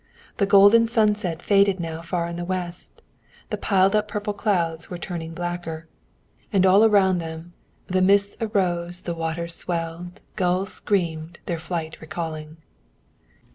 The golden sunset faded now far in the west, the piled up purple clouds were turning blacker, and around them "The mists arose, the waters swelled," "Gulls screamed, their flight recalling."